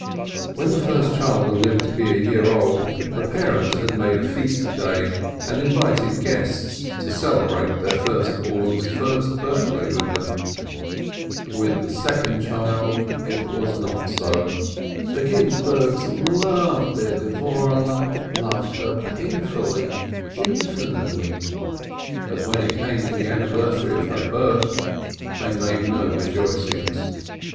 When the first child had lived to be a year old, the parents had made a feast day, and invited guests to celebrate their first born's first birthday with them. 372 S. LIBIN With the second child it was not so. The Ginzburgs loved their Dvorehle, loved her pain fully, infinitely, but when it came to the anniversary of her birth they made no rejoicings.